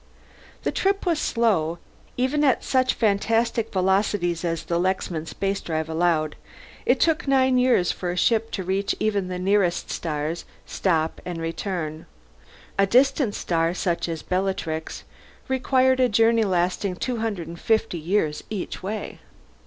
The trip was slow. Even at such fantastic velocities as the Lexman Spacedrive allowed, it took nine years for a ship to reach even the nearest of stars, stop, and return; a distant star such as Bellatrix required a journey lasting two hundred fifteen years each way.